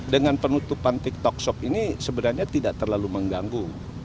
dengan penutupan tiktok shop ini sebenarnya tidak terlalu mengganggu